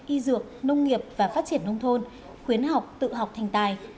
y dược nông nghiệp và phát triển nông thôn khuyến học tự học thành tài